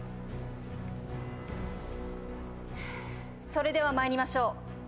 それでは参りましょう。